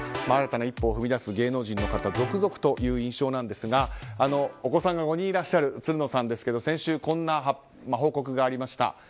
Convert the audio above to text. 新たな一歩を踏み出す芸能人の方続々という印象なんですがお子さんが５人いらっしゃるつるのさんですけど先週こんな報告がありました。